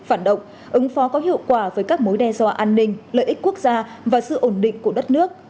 phản động ứng phó có hiệu quả với các mối đe dọa an ninh lợi ích quốc gia và sự ổn định của đất nước